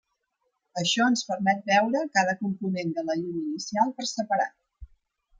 Això ens permet veure cada component de la llum inicial per separat.